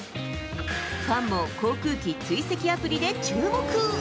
ファンも航空機追跡アプリで注目。